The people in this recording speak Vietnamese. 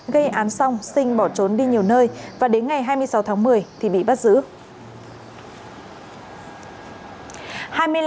gây án xong sinh bỏ trốn đi nhiều nơi và đến ngày hai mươi sáu tháng một mươi thì bị bắt giữ